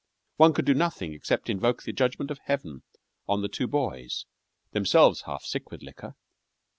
One could do nothing except invoke the judgment of Heaven on the two boys, themselves half sick with liquor.